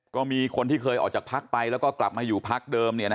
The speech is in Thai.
ก็มีคนที่เคยออกจากพักไปแล้วก็กลับมาอยู่พักเดิม